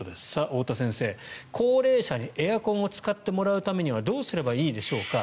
太田先生、高齢者にエアコンを使ってもらうためにはどうすればいいでしょうか。